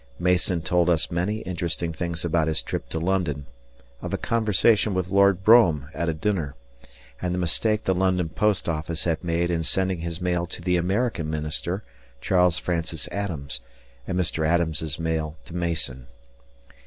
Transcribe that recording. Mason told us many interesting things about his trip to London of a conversation with Lord Brougham at a dinner, and the mistake the London post office had made in sending his mail to the American minister, Charles Francis Adams, and Mr. Adams's mail to Mason.